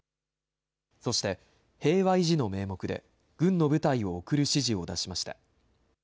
そして、平和維持の名目で軍の部隊を送る指示を出しました。